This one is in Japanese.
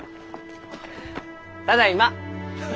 ただいま！